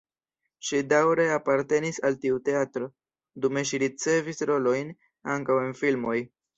Ŝi daŭre apartenis al tiu teatro, dume ŝi ricevis rolojn ankaŭ en filmoj.